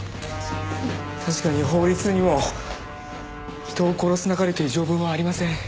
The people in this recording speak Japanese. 確かに法律にも「人を殺すなかれ」という条文はありません。